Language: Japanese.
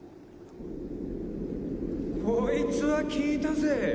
こいつは効いたぜ。